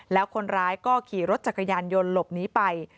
แล้วคนร้ายก็ขี่รถจักรยานยนต์หลบหนีไป